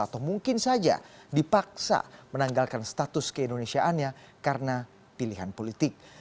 atau mungkin saja dipaksa menanggalkan status keindonesiaannya karena pilihan politik